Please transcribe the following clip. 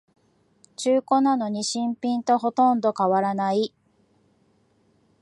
中古なのに新品とほとんど変わらない